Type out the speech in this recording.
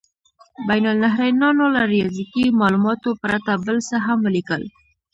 بین النهرینیانو له ریاضیکي مالوماتو پرته بل څه هم ولیکل.